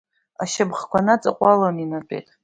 Ашьамхқәа наҵаҟәыланы инатәеит.